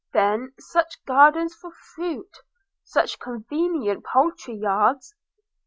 – then, such gardens for fruit! such convenient poultry yards!